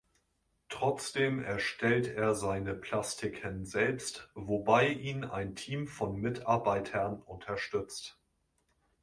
Trotzdem erstellt er seine Plastiken selbst, wobei ihn ein Team von Mitarbeitern unterstützt.